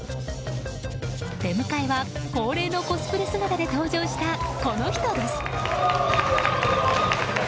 出迎えは、恒例のコスプレ姿で登場したこの人です。